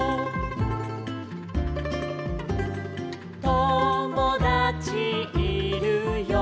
「ともだちいるよ」